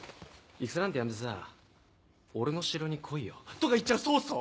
「戦なんてやめてさ俺の城に来いよ」とか言っちゃう曹操。